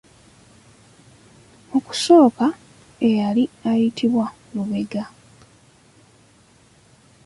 Mu kusooka eyali ayitibwa Lubega.